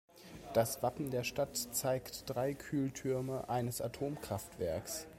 Das Wappen der Stadt zeigt drei Kühltürme eines Atomkraftwerks.